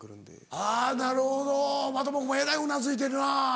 あぁなるほど的場君もえらいうなずいてるな。